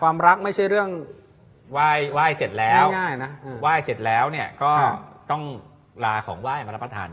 เล็กเล็กเล็กเล็กเล็กเล็กเล็กเล็กเล็กเล็กเล็กเล็กเล็กเล็กเล็ก